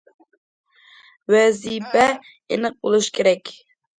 ۋەزىپە ئېنىق بولۇش كېرەك.